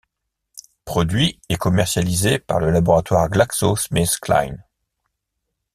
Produit et commercialisé par le laboratoire Glaxo Smith Kline.